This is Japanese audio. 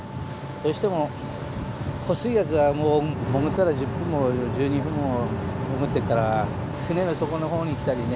どうしても狡いやつはもう潜ったら１０分も１２分も潜ってっから船の底の方に来たりね。